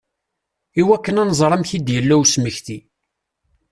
I wakken ad nẓer amek i d-yella usmekti.